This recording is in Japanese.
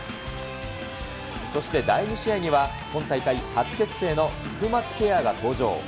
そして第２試合には、今大会初結成のフクマツペアが登場。